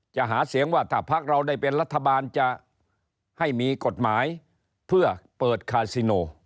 หาเสียงว่าถ้าพักเราได้เป็นรัฐบาลจะให้มีกฎหมายเพื่อเปิดคาซิโน